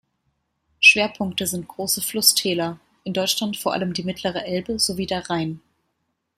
Schwerpunkte sind große Flusstäler, in Deutschland vor allem die mittlere Elbe sowie der Rhein.